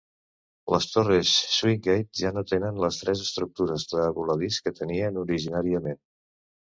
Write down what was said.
Les torres Swingate ja no tenen les tres estructures de voladís que tenia originàriament.